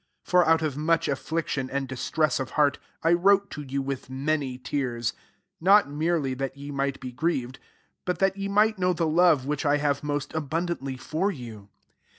4 For out of much affliction, and distress of heart, I wrote to you with many tears ; not merely that ye might be grieved, but that ye might know the love which I have most abundantly for you.